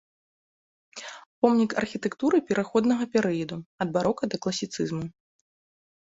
Помнік архітэктуры пераходнага перыяду ад барока да класіцызму.